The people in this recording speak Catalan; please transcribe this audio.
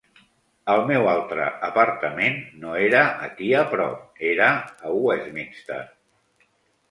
El meu altre apartament no era aquí a prop, era a Westminster.